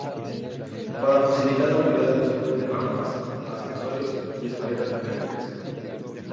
Para facilitar la movilidad disponen de rampas, ascensores y escaleras mecánicas.